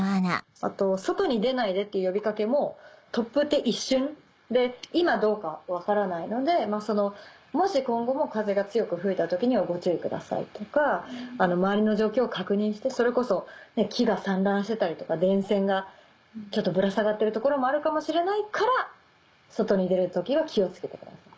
外に出ないでっていう呼び掛けも突風って一瞬で今どうか分からないので「もし今後も風が強く吹いた時にはご注意ください」とか周りの状況を確認してそれこそ「木が散乱してたりとか電線がぶら下がってる所もあるかもしれないから外に出る時は気を付けてください」。